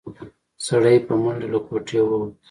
سړی په منډه له کوټې ووت.